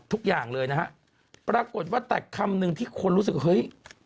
ทุกอย่างเลยนะฮะปรากฏว่าแต่คำหนึ่งที่คนรู้สึกเฮ้ย